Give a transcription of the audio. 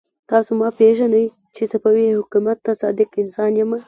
تاسو ما پېژنئ چې صفوي حکومت ته صادق انسان يم.